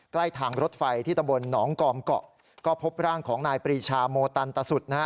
ใกล้ทางรถไฟที่ตำบลหนองกองเกาะก็พบร่างของนายปรีชาโมตันตสุดนะฮะ